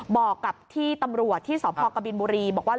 บอกกับที่ตำรวจที่สพกบินบุรีบอกว่า